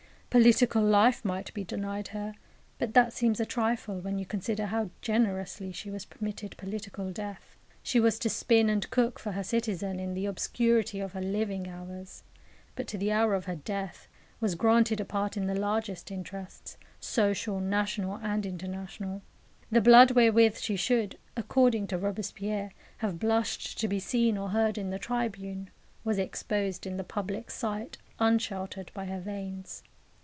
Political life might be denied her, but that seems a trifle when you consider how generously she was permitted political death. She was to spin and cook for her citizen in the obscurity of her living hours; but to the hour of her death was granted a part in the largest interests, social, national, international. The blood wherewith she should, according to Robespierre, have blushed to be seen or heard in the tribune, was exposed in the public sight unsheltered by her veins.